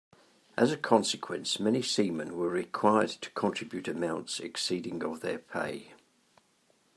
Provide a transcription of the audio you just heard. As a consequence many seamen were required to contribute amounts exceeding of their pay.